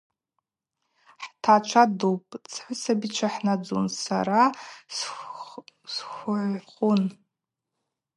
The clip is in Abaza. Хӏтгӏачва дупӏ, цгӏвысабичва хӏнадзун, сара схвыгӏвхун.